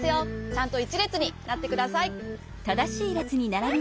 ちゃんと１れつになってください。